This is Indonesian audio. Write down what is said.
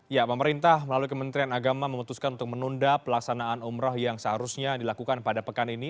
ya pemerintah melalui kementerian agama memutuskan untuk menunda pelaksanaan umroh yang seharusnya dilakukan pada pekan ini